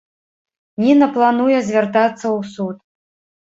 Ніна плануе звяртацца ў суд.